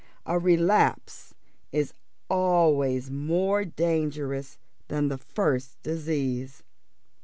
A relapse is always more dangerous than the first disease.